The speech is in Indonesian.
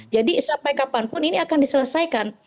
jadi sampai kapanpun ini akan diselesaikan